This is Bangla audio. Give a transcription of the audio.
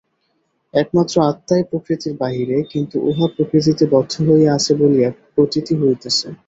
একমাত্র আত্মাই প্রকৃতির বাহিরে, কিন্তু উহা প্রকৃতিতে বদ্ধ হইয়া আছে বলিয়া প্রতীতি হইতেছে।